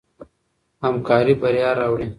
همکاري بریا راوړي.